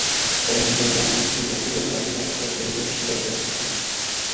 তবে নিজের প্রাণ বাঁচাতে যাত্রীদের প্রাণ বিপন্ন করার অভিযোগ অস্বীকার করেছেন তিনি।